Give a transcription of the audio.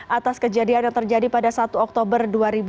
atas kejadian yang terjadi pada satu oktober dua ribu dua puluh